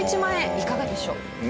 いかがでしょう？